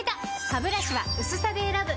ハブラシは薄さで選ぶ！